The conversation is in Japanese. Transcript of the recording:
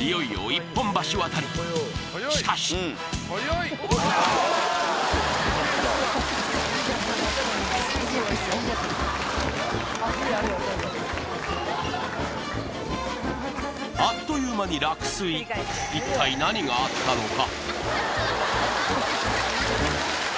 いよいよ一本橋渡りしかしあっという間に落水一体何があったのか？